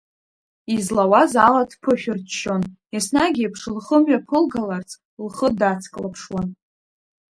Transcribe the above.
Излауаз ала дԥышәырччон, еснагь еиԥш лхы мҩаԥылгаларц, лхы дацклаԥшуан.